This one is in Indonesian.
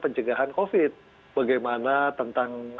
pencegahan covid bagaimana tentang